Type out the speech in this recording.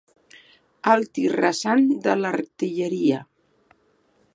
El tir rasant de l'artilleria.